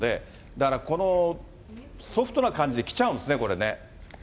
だから、このソフトな感じで来ちゃうんですね、これね。